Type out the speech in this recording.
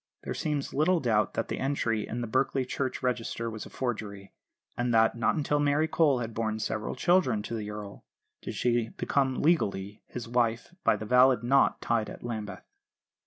There seems little doubt that the entry the in Berkeley church register was a forgery; and that, not until Mary Cole had borne several children to the Earl, did she become legally his wife by the valid knot tied at Lambeth.